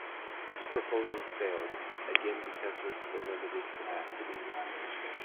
This proposal failed, again because of the limited capacity.